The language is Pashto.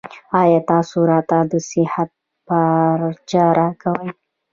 ایا تاسو راته د صحت پارچه راکوئ؟